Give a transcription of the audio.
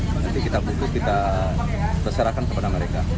nanti kita putus kita terserahkan kepada mereka